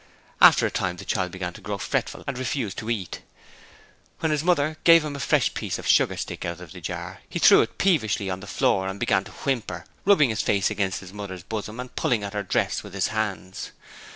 After a time the child began to grow fretful and refused to eat; when his mother gave him a fresh piece of sugar stick out of the jar he threw it peevishly on the floor and began to whimper, rubbing his face against his mother's bosom and pulling at her dress with his hands.